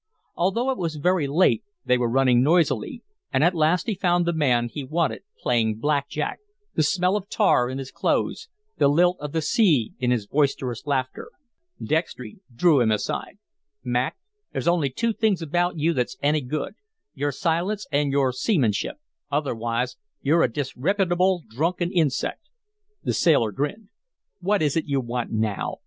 Although it was very late they were running noisily, and at last he found the man he wanted playing "Black Jack," the smell of tar in his clothes, the lilt of the sea in his boisterous laughter. Dextry drew him aside. "Mac, there's only two things about you that's any good your silence and your seamanship. Otherwise, you're a disreppitable, drunken insect." The sailor grinned. "What is it you want now?